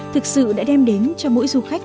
thực sự đã đem đến cho mỗi du khách